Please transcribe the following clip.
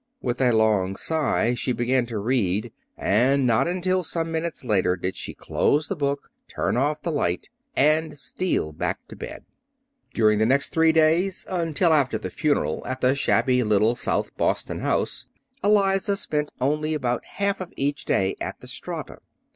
With a long sigh she began to read; and not until some minutes later did she close the book, turn off the light, and steal back to bed. During the next three days, until after the funeral at the shabby little South Boston house, Eliza spent only about half of each day at the Strata.